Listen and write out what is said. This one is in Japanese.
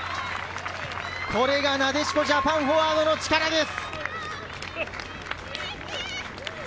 これがなでしこジャパン、フォワードの力です。